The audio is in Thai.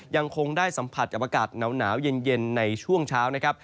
ยังคงได้สัมผัสกับอากาศหนาวเย็นในช่วงเช้านะครับ